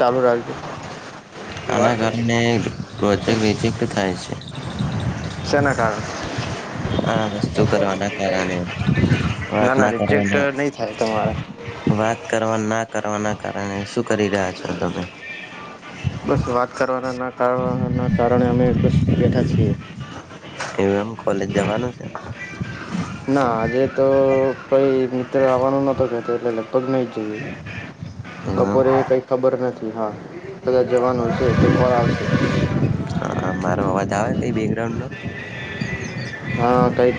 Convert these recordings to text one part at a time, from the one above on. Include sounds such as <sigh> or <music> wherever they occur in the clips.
ચાલુ રાખજો, આના કારણે પ્રોજેક્ટ રિજેક્ટ થાય છે તેના કારણે આ વસ્તુ કરવાના કારણે વાત નાના ના રિજેક્ટ કરવાના નહીં થાય તમારે. વાત કરવા ના કરવાના કારણે. કરી રહ્યા છો તમે બસ વાત કરવાના, ના કરવા ના. કારણે અમે બસ બેઠા છીએ. એવું એમ કોલેજ જવાનું છે. ના, આજે તો કઈ મિત્ર આવવાનું નતો કતો એટલે લગભગ નહી જઈએ. એવું બપોરે એમ કઈ ખબર નથી હા, બધા જવાનો છે તો કોણ આવશે. તો અવાજ આવે કે બેકગ્રાઉન્ડનો. હા કંઈક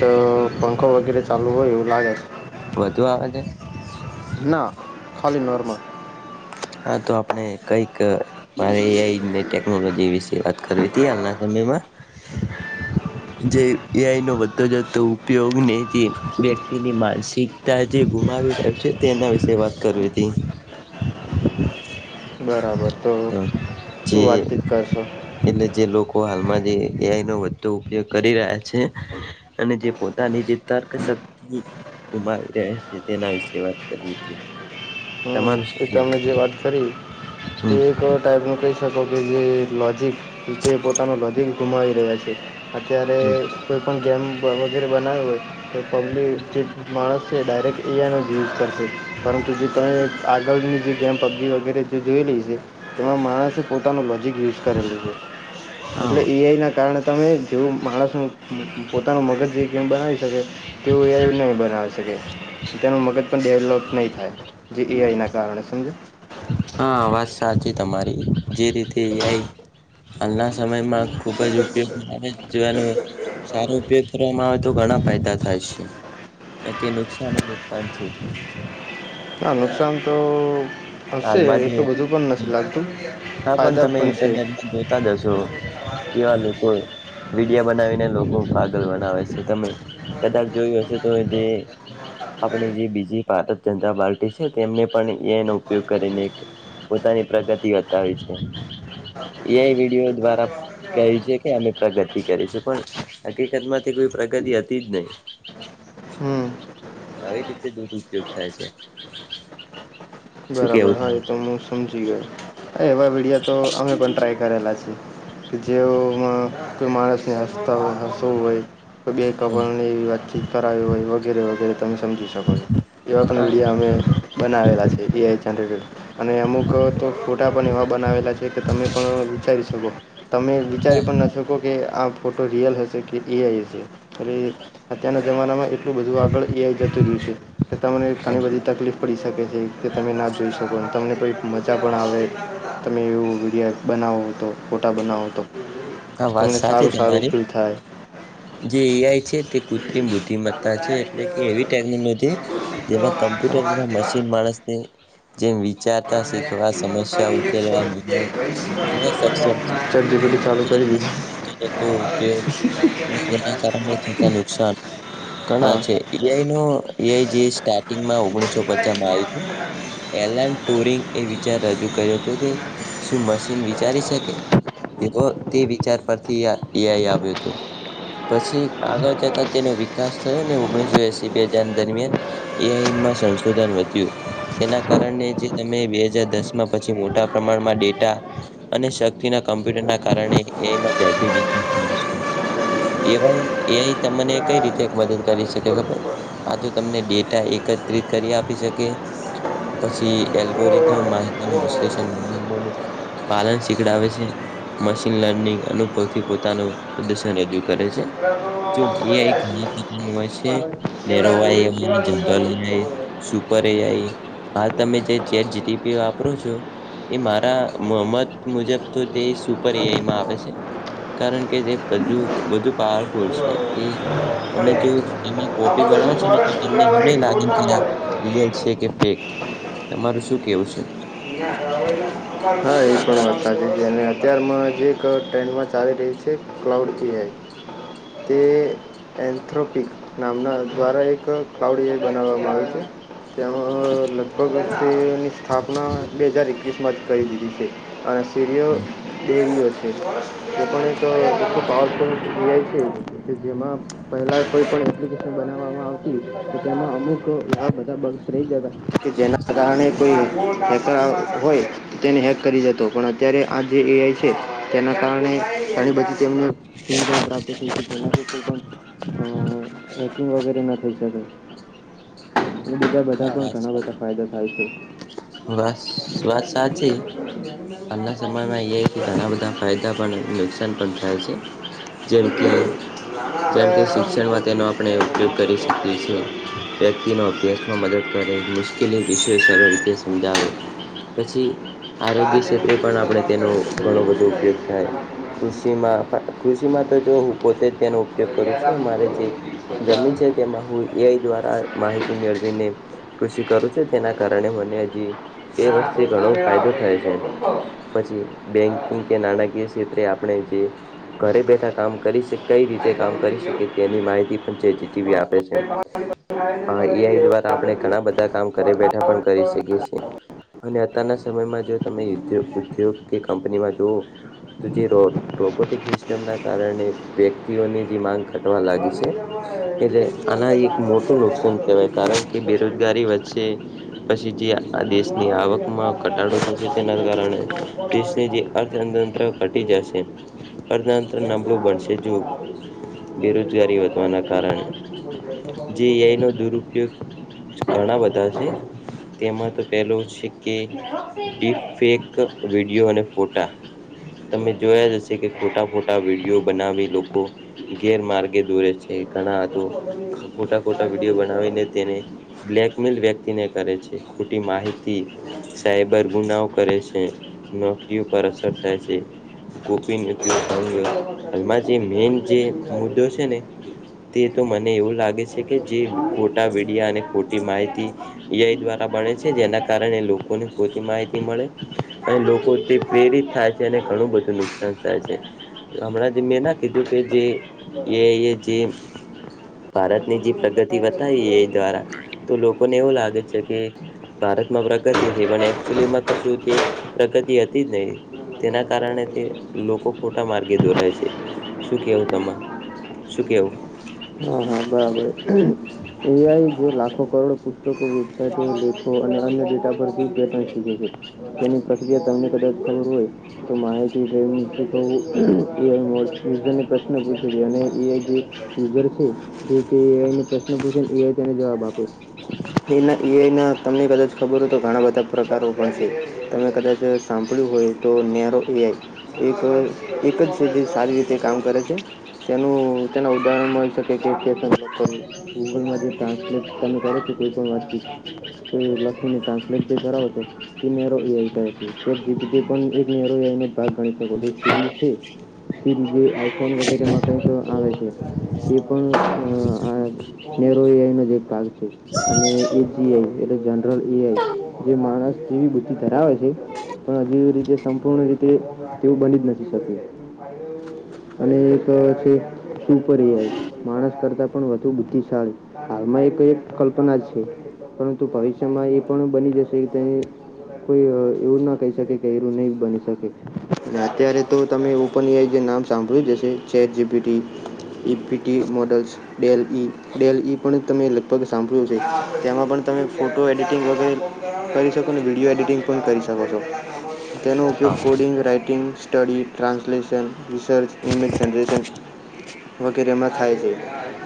પંખો વગેરે ચાલુ હોય એવું લાગે છે. વધુ આવેજે ના ખાલી નર્મલ હા તો આપણે કઈક મારે એઆઈને ટેકનોલોજી વિશે વાત કરવી હતી હાલના સમયમાં જે એઆઈ નો વધતો જતો ઉપયોગ ને જે વ્યક્તિની માનસિકતા જે ગુમાવી રહ છે તેના વિશે વાત કરવી હતી હ બરાબર તો હ જે શું વાતચીત કરશો એટલે જે લોકો હ ન વધુ ઉપયોગ કરી રહ્યા છે અને જે પોતાની જે તર્ક શક્તિ ગુમાવી રહ્યા છે તેના વિશે વાત કરીવી એ તમે જે વાત કરી તે હમ એક ટાઈપનું કહી શકો કે જે લોજિક તે પોતાનું લધ ઘુમાઈ રહ્યા છે અત્યારે કોઈ પણ ગેમ ર બના હોય તો પબ્લિક માણસ છે ડાયરેક્ટ એઆઈનો જ યુઝ કરશે પરંતુ જે તમે આગળની જે ગેમ પબ્જી વગેરે જોઈ લઈ છે તેમાં માણસે પોતાનો લોજિક યુઝ કરેલું છે એટલે હા એઈઆઈના કારણે તમે જેવું માણસનું પોતાનું મગજ જે કેમ બનાવી શકે તેવું એ નહીં બનાવી શકે તેનું મગજ પણ ડેવલોપ નહીં થાય એઆઈ ના કારણે સમજો હા વાત સાચી તમારી જે રીતે એઆઈ હાલના સમયમાં ખુબજ ઉપયોગી થાયજ જેવાનો સારો ઉપયોગ કરવામાં આવે તો ઘણા ફાયદા થાય છે ન કે નુકસાન નુકસાન છે ના નુકસાન તો હશે હાલમાં જે એટલું બધું પણ નથી લાગતું હા પણ ફાયદા તમે છે ઇન્ટરનેટમાં જોતા જ હશો એવા લોકો વિડિયા બનાવીને લોકો પાગલ બનાવે છે તમે કદાચ જોયું હશે તો જે આપણી જે બીજી ભારત જનતા પાર્ટી છે તેમને પણ એનો ઉપયોગ કરીને પોતાની પ્રગતિ બતાવે છે એઆઈ વિડીયો દ્વારા કે છે કે અમે પ્રગતિ કરી છે પણ હકીકત માંથી કોઈ પ્રગતિ હતી જ નહી હમ આવી રીતે દૂરુપયોગ થાય છે શું બરાબર કેવું હા એ તો હું સમજી ગયો અ એવા વિડિયો તો અમે પણ ટ્રાય કરેલા છીએ જેવમાં કોઈ માણસને હંસતા હંસો હોય બે કબરને હા એવી વાતચીત કરાવી હોય વગેરે વગેરે તમે સમજી શકો છો એવા પણ હા વિડિયા અમે બનાવેલા છે એ <inaudible> <inaudible> અને અમુક તો ફોટા પણ એવા બનાવેલા છે કે તમે પણ વિચારી શકો તમે વિચારી પણ ન શકો કે આ ફોટો રિયલ હશે કે એઆઈ હશે એ અત્યારના જમાનામાં એટલું બધું આગળ એઆ જતું રહ્યું છે કે તમને હા ઘણી બધી તકલીફ પડી શકે છે કે તમે ના જોઈ શકો તમને કોઈ મજા પણ આવે તમે એવું વિડીયો બનાવો તો ફોટા બનાવો તો આ વાત તમને સાચી સારું સારું તમારી ફીલ થાય. જે એઆઈ છે તે કૃત્રિમ આ તો બુદ્ધિમત્તા છે ડાયરેક્ટ એટલે કે એવી ટેકનોલોજી સીધો જેમાં આઠસો કમ્પ્યુટર હાથ જેવા મશીન માણસને જેમ વિચારતા શીખવા સમસ્યા ઉકેલવા નિર્ણયો લેવા સક્ષમ <unintelligible> દીધું. વધુ થતો ઉપયોગ અને તેના કારણે થતા નુકસાન ઘણા હા. છે એઆઈ નો એ જે સ્ટાર્ટિંગમાં ઓગણીસો પચમાં આયુ તું તેમ ટોરિંગ એ વિચાર રજૂ કર્યો હતો કે શું મશીન વિચારી શકે તે વિચાર પરથી એઆઈ આવ્યો હતું પછી આગળ જતા તેનો વિકાસ થયો અને ઓગણીસો એસી બે હજાર દરમિયાન એઆઈમાં સંશોધન વધ્યું તેના કારણે જે તમે બે હજાર દસમાં પછી મોટા પ્રમાણમાં ડેટા અને શક્તિના કમ્પ્યુટરના કારણે એ માં ઝડપી લિઘી છે એવા એઆઈ તમને કેવી રીતે મદદ કરી શકે આ તો તમને ડેટા એકત્રિત કરી આપી શકે પછી એલબોરિઘમ માહિત વિ્લેષ નિમોનું પાલન શિખડાવે છે મશીન લર્નિંગ અનુભુતી પોતાનું પ્રદર્શન રજૂ કરે છે જો એઆઈ પડ્યા છે. ઘણા પ્રકારનું જેવડા દોરી તેવા દોરી તો હોય મૂકતો હોય. છે એ હ તમે જે ચે જીટીપી વાપરો છો એ મારા મત મુજબ તો તે પર્યાયમાં આવે છે કારણ કે જે કજ બધું પાવરફુલ છે તે તમે જો પણ એમાં કોપી આમાં તો બનાવો શું છો ને તો ચોરસ તમને ટુકડા એ હોય નહી ગોળ લાગે ના કે આ મળે રિયલ છે કે ફેક તમારું શું કેવું છે <inaudible> અત્યારમાં જે એક ટ્રેન્ડમાં ચાલી ર્યું છે ક્લાઉડ એઆઈ તે એન્થ્રોપિક નામના દ્વારા એક કાવડીએ બનાવવામાં આવે છે. તેમાં લગભગ તેની સ્થાપના બે હજાર એકવીસમાં જ કરી દીધી છે. અને સરયો દેવીઓ છે. એ પણ એક પ છે, કે જેમાં મહિલા કોઈ પણ એ્ બનાવામાં આવતી તેમાં અમુકવા બધા બસ ર જ કે જેના કારણે કોઈ હોય. તો તેની એક પણ અત્યારે આ જે એ આઈ છે. તેના કારણે ઘણી બી તેમને સુવિધાઓ પ્રાપ્ત થઈ હતી જેનાથી કોઈ પણકંગ વગેરે ન થઈ શકે. બીજા બધા હા પણ વાત ઘણા બધા સાચી ફાયદા થાય છે. આલના સમયમાં અહીયાથી ઘણા બધા ફાયદા પણ નુકસાન પણ થાય છે. જેમકે, નાના હવે જેમકે, હવે હું શિક્ષણમાં તેનો ગોઠવીશ આપણે ને ઉપયોગ એમાં કરી શોધો શકીએ કરીશ. છીએ. ન અભ્યાસમાં મદદ કરે મુશ્કેલી વિષય સરળ રીતે સમજાવે. પછી આરોગ્ય આજે હું ક્ષેત્રે પણ ઉતરીશ, આપણે તપાસ તેનો કરીશ હશે તો ઘણો બધો ઉતરી ઉપયોગ જઈશ એ થાય. નાના છોકરાને. કૃષિમાં પણ કૃષિમાં તો જો હું પોતે જ તેનો ઉપયોગ હવે કરું યાદ છું. આપું અમારે જો, જે હું ઉતરીશ પણ તારે જમીન છે નહીં. તેમાં હું એ આઈ દ્વારા માહિતી મેળવીને કૃષિ કરું છું. તેના કારણે મને હજી બે ના આ તો વર્ષથી ના ઘણો મેળ ફાયદો આવે થાય ભાઈ છે. લોકો. પછી હા, બેન્કિંગ કે નાણાકીય ક્ષેત્રે આપણે જે ઘરે બેઠા કામ કરી કઈ રીતે આ તો કામ સમજી કરી ગયો શકે તેની માહિતી પણ ચાર્ટ જી પી પણ ટી આપે છે. કોઈ તમારી પાસે આયોજન મળે એ છે, આઈ એવું દ્વારા આપણે લાગે છે કે ફળ. આ વર્ષે ઘણા બધા કામ ઘરે બેઠા પણ કરી શકીએ છીએ, અને અત્યારના સમયમાં જો તમે દ ઉદ્યોગ કે કંપનીમાં જુઓ તો જે રો રોબોટિક સિસ્ટમના કારણે વ્યક્તિઓની જે માંગ ટવા લાગી છે, ફળની જેમ, એટલે એ શું આના અંદર એક લાકડા મોટું ઉપર ધ્યાન નુકસાન તો કહેવાય રહી જ ના, કારણ કે તો પડી ગયું. બેરોજગારી વધચ્ચે પછી જે આ નાનું દેશની આવે ને એ અથડા આવકમાં અથડા ઘટાડો કરે ને તો થશે ભાગી તેના જાય કારણે પછી ફળ ફળ આવે દેશને જે ખાલી અર્થતંત્ર ઘટી જશે અર્થતંત્ર એમ ના નબળું આવે તો બનશે જો ફળ આવે તો એ જો બેરોજગારી કરાય ને વધવાના તો એ ફળ છૂટું પડી જાય તો કારણે અમુક જેી વખત એનો એવું ઉપયોગ ઘણા બધા છે. તેમાં તો પહેલો છે કે ડીેક વિડીયો અને ફોટા તમે જોયા જ હશે કે ખોટા ખોટા વિડીયો બનાવી લોકો ગેરમાર્ગે દોરે છે. ઘણા થાય તો કશો તમે કોટા કોટા ટ્રાય બ કરવું બનાવીને બરાબર તેને બ્લેક તમિલ વ્યક્તિને કરે છે. ખોટી માહિતી સાયબર ગુનાઓ કરે છે. નોકરીઓ પર અસર થાય છે. ગોપીન એવું તમારે હાલમાં જે કટિંગ મેન કટિંગ જ જે થઈ જાય મુદ્દો એવું છે, ને તે તો મને એવું લાગે છે. એકદમ જે હા એવું ખોટા તમને વિડિયા અને ખોટી માહિતી એઆઈ દ્વારા બણે છે. જેના કારણે લોકોને ખતી માહિતી મળે અને લોકો તે પ્રેરિત થાય છે, અને ઓહો, ઘણું બધું નુકસાન થાય છે. હમણાં જે મેં ના કીધું કે બરાબર જે ભારતની કશો જે તમે પ્રગતિ ટ્રાય કરી બતાવી એ બરાબર દ્વારા તો લોકો લોકોને એવું લાગે છે કે ભારતમાં પ્રગતિ હતી પણ એચુલીમાં તો પ્રગતિ હતી જ નહી તેના કારણે તે લોકો ખોટા માર્ગે દોરાય છે શું કેવું તમા શું કેવું હા હા બરાબર એઆ જે લાખો કરોડ પુસ્તકો વેબસાઇટો લેખો અને અન્ય ડેટા પરથી પેટર્ન શીખે છે તેની પ્રક્રિયા તમને કદાચ ખબર હોય તો માહિતી ડ્ર્રેવિ શીખવવું એઆઈ મોડ યુઝરને પ્રશ્ન પૂછે છે અને એઆઈ જે યુઝર છે જેઆ પ્રશ્ન પૂછે એઆઈ તેને જવાબ આપે એના એઆઈ ના તમને કદાચ ખબર હોય તો ઘણા બધા પ્રકારો પણ છે તમે કદાચ સાંપળ્યું હોય તો નેરો એઆઈ એક એક જ સુધી સારી રીતે કામ કરે છે તેનું તેના ઉદાહરણમાં ગૂગલમાં જે ટ્રાન્સલેટ તમે કરો છો કોઈ પણ વાતચીત લખીને ટ્રાન્સલેટ જે કરાવો છો તે નેરો એઆઈ કરે છે કે જીપીટી પણ એક નેરો એઆઈનો ભાગ ગણી શકો જે સીરી છે સીરી જે આઈફોન વગેરેમાં કંઈક આવે છે એ આ નેરો એઆઈ નો એક ભાગ છે અને એજીઆઈ એટલે જનરલ એઆઈ જે માણસ જેવી બુદ્ધિ ધરાવે છે પણ હજી રીતે સંપૂર્ણ રીતે તેવું બની જ નથી શકે અને એક છે સુપર એઆઈ માણસ કરતા પણ વધુ બુદ્ધિશાળી હાલમાં એક એક કલ્પના છે પરંતુ ભવિષ્યમાં એ પણ બની જશે કે તેને કોઈ એવું ના કહી શકે કે એું નહી બની શકે અને અત્યારે તો તમે ઓપન એ જે નામ સાંભળ્યું જશે ચ ટી મોડલ્સ ડેલ ઈ ડેલ ઈ પણ તમે લગભગ સાંભળ્યું છે તેમાં પણ તમે ફોટો એડિટિંગ વગરે કરી શકો અને વિડીયો એડિટિંગ પણ કરી શકો છો તેનો ઉપયોગ હા coding writing study translation research image generation વગેરેમાં થાય છે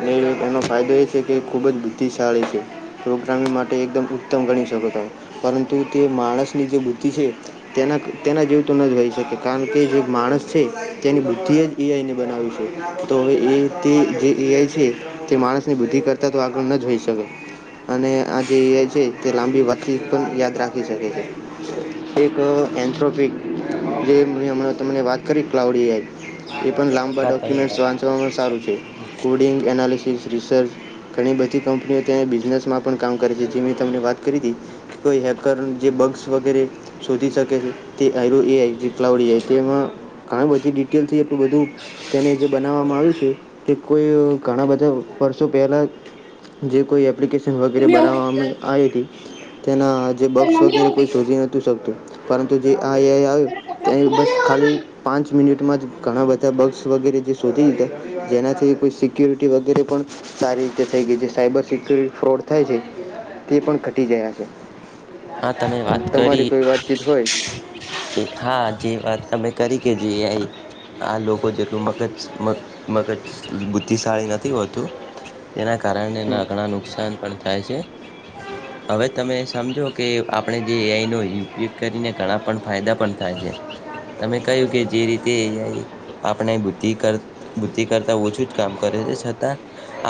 ને એનો ફાયદો એ છે કે ખૂબ જ બુદ્ધિશાળી છે પ્રોગ્રામિંગ માટે એકદમ ઉત્તમ ગણી શકો ત પરંતુ તે માણસની જે બુદ્ધિ છે તેના તેના જેવું તો ન હોહી શકે કારણ કે જે માણસ છે તેની બુદ્ધિ જ એીઆઈને બનાવ્યું છે તો હવે એ તે જે એઆઈ છે તે માણસની બુદ્ધિ કરતા તો આગળ ન જ હોઈ શકે અને આ જે એઆઈ છે તે લાંબી વાતથી પણ યાદ રાખી શકે એક એથોપિક જે ત વાત કરી ક્લાઉડઆઈ એ પણ લાંબા હા તમે ડોક્યુમેન્ટ વાત વાંચવાવામાં સારું છે કોડિંગ એનાલીિસિસ રિસર્ચ ઘણી બધી કંપનીઓ ત્યાં બિઝનેસમાં પણ કામ કરે છે જે મે તમને વાત કરી હતી કે કોઈ હેકર જે બગ્સ વગેરે શોધી શકે છે તેરો ક્લાડી તેમાં ઘણી બધી ડિટેલથી એટલું બધું તેને જે બનાવવામાં આવ્યું છે કે કોઈ ઘણા બધા વર્ષો પહેલાં જે કોઈ એપ્લિકેશન વગેરે મમ્મી એવું બનાવવામાં કીધું આવી હતી તેના જે તાર બક્સ મમ્મી વગેરે એવું કોઈ કીધું શધી નહતું શકતું પરંતુ જે આ એઆઈ આવ્યું તારા કપડા ત્યાં મોંઘા બસ છે ખાલી ધોવાના. પાંચ મિનિટમાં જ ઘણા બધા બગસ વગેરે જે શોધી લીધા જેનાથી કોઈ સિક્યોરિટી વગેરે પણ સારી રીતે થઈ ગઈ જે સાયબર સિક્યોરિટી ફ્રોડ થાય છે તે પણ ઘટી જયા છે હા તમે વાત તમારી કરી કોઈ વાતચીત હોય હા જે વાત તમે કરી કે જે આ લોકો જેટલું મગજ મગજ બુદ્ધિશાળી નથી હોતું તેના કર કારણ હમ. એના ઘણાં નુકસાન પણ થાય છે હવે તમે સમજો કે આપણે જે એઆઈનોો ઉપયોગ કરીને ઘણા પણ ફાયદા પણ થાય છે તમે કહ્યું કે જે રીતે એઆઈ આપણે બુદ્ધિ કર બુદ્ધિ કરતા ઓછું જ કામ કરે છે છતાં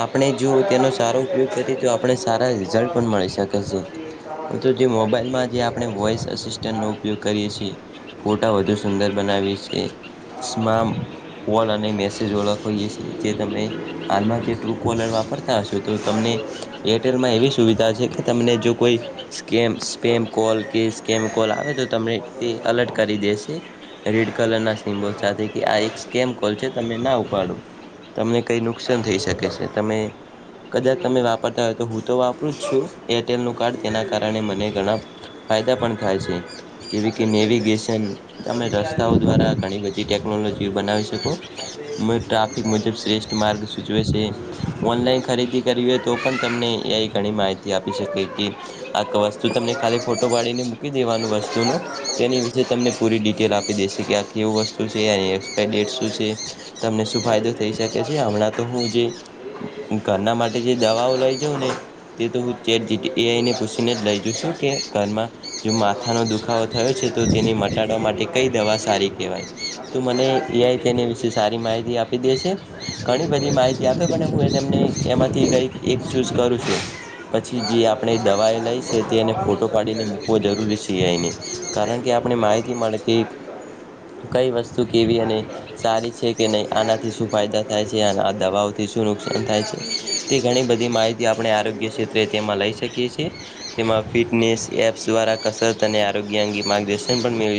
આપણે જો તેનો સારો ઉપયોગ કરીએ તો આપણે સારા રિઝલ્ટ પણ મળી શકે છે મિત્ર જે મોબાઈલમાં જે આપણે વોઇસ અસિસ્ટન્ટનો ઉપયોગ કરીએ છીએ ફોટા વધુ સુંદર બનાવીએ છએ સ્મા કોલ અને મેસેજ ઓળખવીએ છીએ જે તમે હાલમાં જે ટ્રુ કોલર વાપરતા હશો તો તમને એરટેલમાં એવી સુવિધા છે કે તમને જો કોઈ સ્કેમ સ્પેમ કોલ કે સ્કેમ કોલ આવે તો તમને તે અલર્ટ કરી દેશે રેડ કલરના સિમ્બોલ સાથે કે આ એક સ્કેમ કોલ છે તમે ના ઉપાડો તમને કંઈ નુકસાન થઈ શકે છે તમે કદાચ તમે વાપરતા હોય તો હું તો વાપરું જ છું એરટેલનું કાર્ડ તેના કાર કારણે મને ઘણા ફાયદા પણ થાય છે જેવી કે નેવિગેશન અમે રસ્તાઓ દ્વારા ઘણી બધી ટેકનોલોજી બનાવી શકો ટ્રાફિક મુજબ શ્રેષ્ઠ માર્ગ સૂચવે છે ઓનલાઈન ખરીદી કરવી હોય તો પણ તમને એં ઘણી માહિતી આપી શકે કે આ ક વસ્તુ તમને ખાલી ફોટો પાડીને મૂકી દેવાનું વસ્તુનો તેની વિશે તમને પૂરી ડિટેલ આપી દેશે કે આ કેવું વસ્તુ છે એની એક્સપાયરી ડેટ શું છે તમને શું ફાયદો થઈ શકે છે હમણાં તો હું જે ઘરના માટે જે દવાઓ લઈ જાઉં ને તે તો ચેટ જી પી પી આઇને કુશીને જ લઈ જાઉ છું કે ઘરમાં જો માથાનો દુખાવો થયો છે તો તેને મટાડવા માટે કઈ દવા સારી કહેવાય તો મને એઆઈ તેની વિશે સારી માહિતી આપી દે છે ઘણી બધી માહિતી આપે પણ હું એને એમને એમાંથી કંઈક એક ચૂઝ કરું છું પછી જે આપણે દવાએ લઈ છે તેને ફોટો પાડીને મૂકવો જરૂરી છીએ એઆઇને કારણ કે આપણે માહિતી મળે કે કઈ વસ્તુ કેવી અને સારી છે કે નહીં આનાથી શું ફાયદા થાય છે આ દવાઓથી શું નુકસાન થાય છે તે ઘણી બધી માહિતી આપણે આરોગ્ય ક્ષેત્રે તેમાં લઈ શકીએ છીએ. તેમાં ફિટનેસ એપ્સ દ્વારા કસરત અને આરોગ્ય અંગે માર્ગદર્શન પણ <unintelligible>